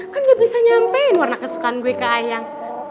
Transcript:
kan nggak bisa nyampein warna kesukaan gue ke ayang